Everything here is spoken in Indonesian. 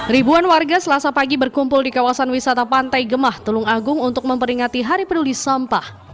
ribuan warga selasa pagi berkumpul di kawasan wisata pantai gemah tulung agung untuk memperingati hari peduli sampah